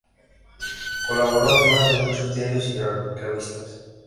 Colaboró además en muchos diarios y revistas.